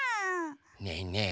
ねえねえ。